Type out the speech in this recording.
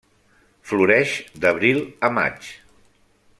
Floreix d'abril a maig.